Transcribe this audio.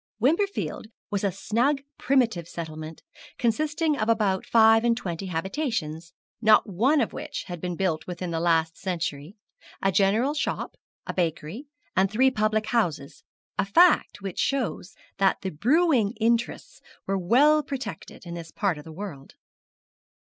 Wimperfield was a snug primitive settlement, consisting of about five and twenty habitations, not one of which had been built within the last century, a general shop, a bakery, and three public houses, a fact which shows that the brewing interests were well protected in this part of the world.